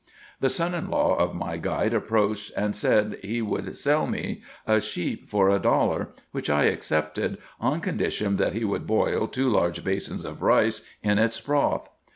The son in law of my guide approached, and said he would sell me a sheep for a dollar, which I accepted, on condition that he would boil two large basins of rice in its broth.